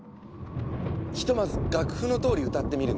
ひとまず楽譜のとおり歌ってみるね。